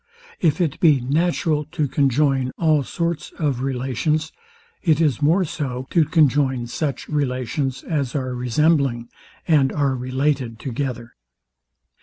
If it be natural to conjoin all sorts of relations, it is more so, to conjoin such relations as are resembling, and are related together.